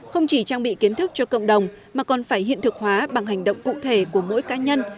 không chỉ trang bị kiến thức cho cộng đồng mà còn phải hiện thực hóa bằng hành động cụ thể của mỗi cá nhân